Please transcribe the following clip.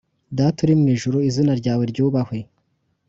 Data uri mu ijuru izina ryawe ryubahwe